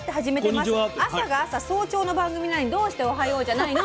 朝が朝早朝の番組なのにどうして『おはよう』じゃないの？」